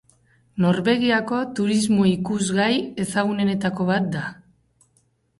Norvegiako turismo-ikusgai ezagunenetako bat da.